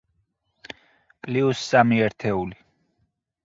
პლიუს სამი ერთეული.